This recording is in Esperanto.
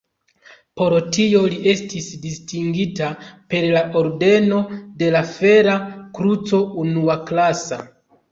Por tio li estis distingita per la ordeno de la Fera Kruco unuaklasa.